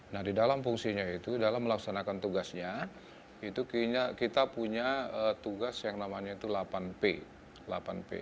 nah di dalam fungsinya itu dalam melaksanakan tugasnya itu kita punya tugas yang namanya itu delapan p